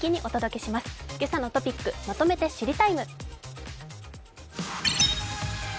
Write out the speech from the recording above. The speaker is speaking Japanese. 「けさのトピックまとめて知りＴＩＭＥ，」。